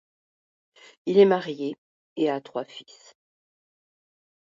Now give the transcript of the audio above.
Il est marié et a trois fils.